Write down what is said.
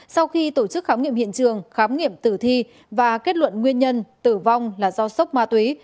sau khi tổ chức khám nghiệm hiện trường khám nghiệm tử thi và kết luận nguyên nhân tử vong là do sốc ma túy